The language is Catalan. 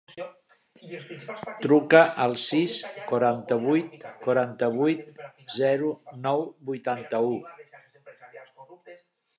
Truca al sis, quaranta-vuit, quaranta-vuit, zero, nou, vuitanta-u.